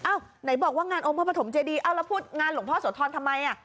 ไหนบอกว่างานองค์พระปฐมเจดีเอ้าแล้วพูดงานหลวงพ่อโสธรทำไมอ่ะ